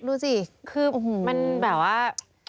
ดูสิคือมันแบบว่า